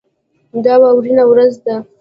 دا واورینه ورځ ده.